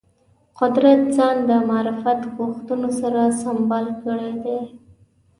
قدرت ځان د معرفت غوښتنو سره سمبال کړی دی